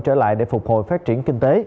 trở lại để phục hồi phát triển kinh tế